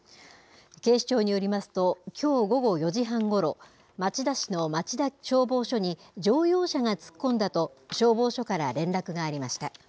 警視庁によりますと、きょう午後４時半ごろ、町田市の町田消防署に乗用車が突っ込んだと、消防署から連絡がありました。